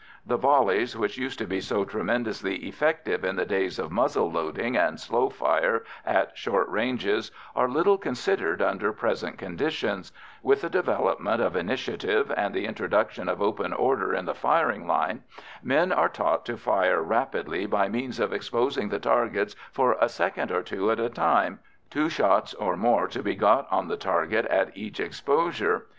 The "volleys," which used to be so tremendously effective in the days of muzzle loading and slow fire at short ranges, are little considered under present conditions; with the development of initiative, and the introduction of open order in the firing line, men are taught to fire rapidly by means of exposing the targets for a second or two at a time, two shots or more to be got on the target at each exposure.